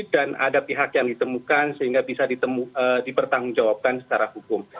dan ada pihak yang ditemukan sehingga bisa dipertanggungjawabkan secara hukum